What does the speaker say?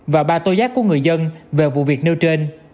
và ba tô giác của người dân về vụ việc nêu trên